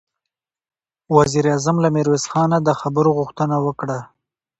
وزير اعظم له ميرويس خانه د خبرو غوښتنه وکړه.